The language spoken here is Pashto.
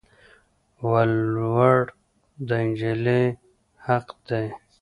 ولوړ د انجلی حق دي